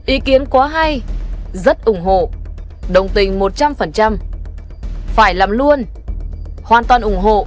ý kiến quá hay rất ủng hộ đồng tình một trăm linh phải làm luôn hoàn toàn ủng hộ